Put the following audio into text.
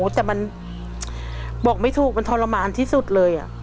แต่มันบอกไม่ถูกมันทรมานที่สุดเลย